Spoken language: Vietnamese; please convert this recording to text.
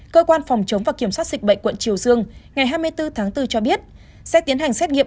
cơ quan phòng chống và kiểm soát dịch bệnh quận triều dương ngày hai mươi bốn tháng bốn cho biết sẽ tiến hành xét nghiệm